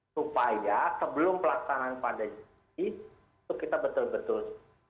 supaya sebelum pelaksanaan pada juni itu kita betul betul